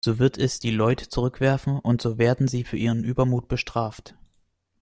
So wird es die Leut zurückwerfen und so werden sie für ihren Übermut bestraft.